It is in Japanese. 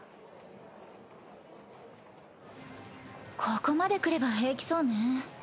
ここまで来れば平気そうね。